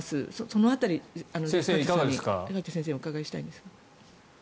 その辺り、梶田先生にお伺いしたいんですけれど。